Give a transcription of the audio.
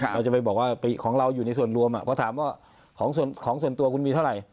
เราจะไปบอกว่าของเราอยู่ในส่วนรวมเพราะถามว่าของส่วนตัวคุณมีเท่าไหร่